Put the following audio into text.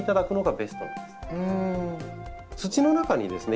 土の中にですね